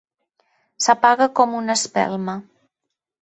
S'apaga com una espelma.